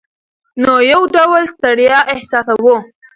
نو یو ډول ستړیا احساسوو.